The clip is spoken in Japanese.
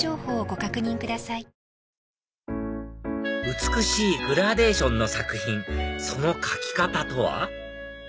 美しいグラデーションの作品その描き方とは？